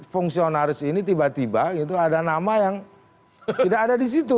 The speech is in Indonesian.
fungsionaris ini tiba tiba gitu ada nama yang tidak ada di situ